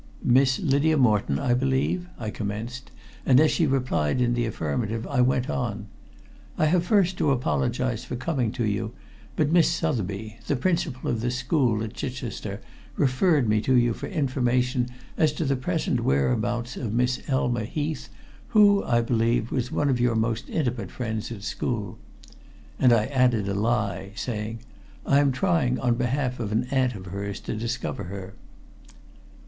"Miss Lydia Moreton, I believe?" I commenced, and as she replied in the affirmative I went on: "I have first to apologize for coming to you, but Miss Sotheby, the principal of the school at Chichester, referred me to you for information as to the present whereabouts of Miss Elma Heath, who, I believe, was one of your most intimate friends at school." And I added a lie, saying: "I am trying, on behalf of an aunt of hers, to discover her."